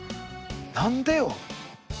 何でよ？